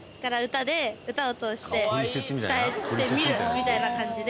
みたいな感じで。